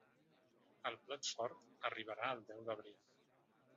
El plat fort arribarà el deu d’abril.